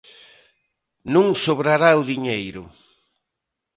Non sobrará o diñeiro.